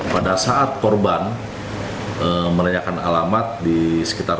pada saat korban merayakan alamat di sekitar